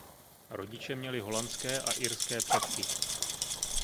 Rodiče měli holandské a irské předky.